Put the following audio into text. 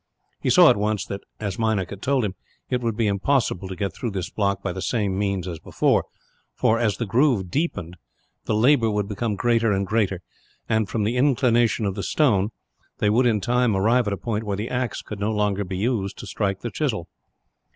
He saw at once that, as Meinik had told him, it would be impossible to get through this block by the same means as before for, as the groove deepened, the labour would become greater and greater and, from the inclination of the stone, they would in time arrive at a point where the axe could no longer be used to strike the chisel.